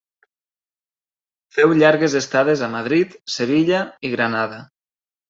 Féu llargues estades a Madrid, Sevilla i Granada.